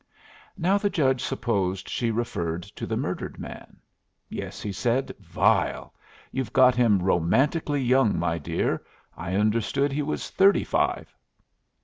Now the judge supposed she referred to the murdered man. "Yes," he said. "Vile. You've got him romantically young, my dear. I understood he was thirty five."